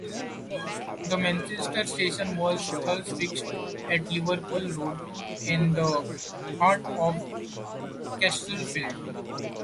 The Manchester station was thus fixed at Liverpool Road in the heart of Castlefield.